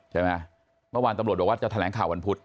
เกราะเมื่อวานตำรวจว่าจะแผลงข่าววันพุธ